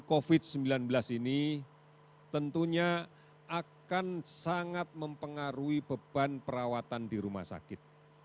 covid sembilan belas ini tentunya akan sangat mempengaruhi beban perawatan di rumah sakit